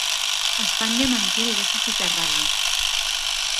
Espanya manté el dèficit a ratlla